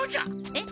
えっ？